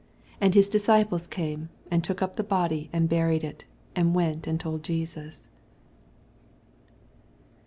12 And his disciples came, and took up the body and buried it, and went and told Jesus.